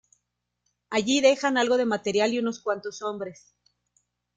Allí dejan algo de material y unos cuantos hombres.